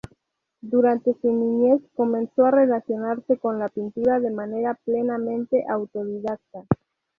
Durante su niñez comenzó a relacionarse con la pintura de manera plenamente autodidacta.